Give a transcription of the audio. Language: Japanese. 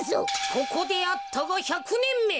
ここであったが１００ねんめ。